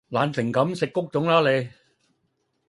懶成咁！食谷種啦你